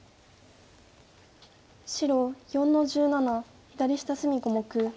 白４の十七左下隅小目。